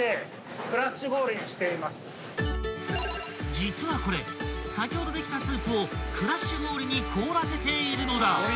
［実はこれ先ほどできたスープをクラッシュ氷に凍らせているのだ］